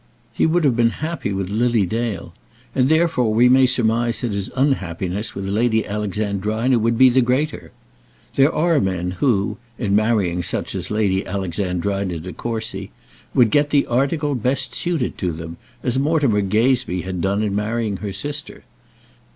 He would have been happy with Lily Dale; and therefore we may surmise that his unhappiness with Lady Alexandrina would be the greater. There are men who, in marrying such as Lady Alexandrina De Courcy, would get the article best suited to them, as Mortimer Gazebee had done in marrying her sister.